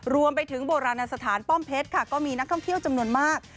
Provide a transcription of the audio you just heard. โบราณสถานป้อมเพชรค่ะก็มีนักท่องเที่ยวจำนวนมาก